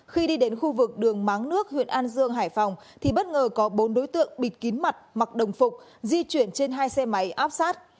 khi đi đến khu vực đường máng nước huyện an dương hải phòng thì bất ngờ có bốn đối tượng bịt kín mặt mặc đồng phục di chuyển trên hai xe máy áp sát